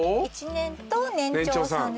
１年と年長さん。